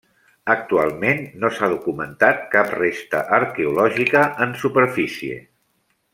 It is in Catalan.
Actualment no s'ha documentat cap resta arqueològica en superfície.